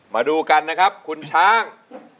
มาดูกันนะครับคุณช้าง